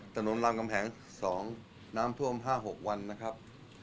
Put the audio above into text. รามกำแหง๒น้ำท่วม๕๖วันนะครับ